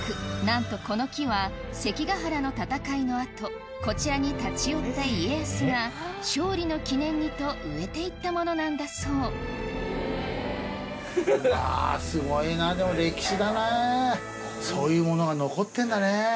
なんとこの木は関ヶ原の戦いの後こちらに立ち寄った家康が勝利の記念にと植えていったものなんだそうそういうものが残ってんだね。